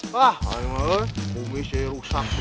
bumi saya rusak begini